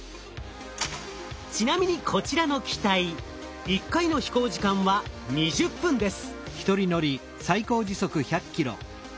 ちなみにこちらの機体１回の飛行時間は２０分です。